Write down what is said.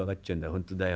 本当だよ